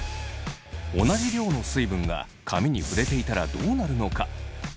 同じ量の水分が髪に触れていたらどうなるのか？